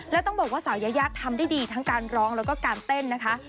แล้วต้องบอกว่าสาวยายาทำได้ดีทั้งการร้องแล้วก็การเต้นนะคะ